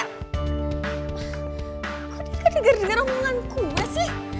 kok dia gak denger denger ngomongan gue sih